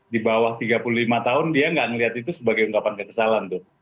di bawah tiga puluh lima tahun dia nggak melihat itu sebagai ungkapan kekesalan tuh